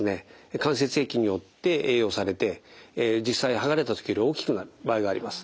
関節液によって栄養されて実際剥がれた時より大きくなる場合があります。